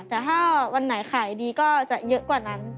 แต่ถ้าวันไหนขายดีก็จะเยอะกว่านั้น